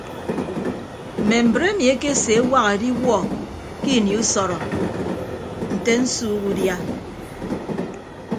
Mme mbre emi ekeseewak ediwuọ ke ini usọrọ nte nsuuk udia.